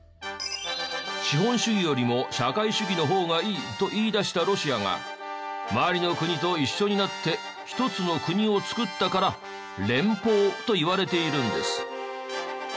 資本主義よりも社会主義の方がいいと言い出したロシアが周りの国と一緒になって１つの国を作ったから「連邦」と言われているんです。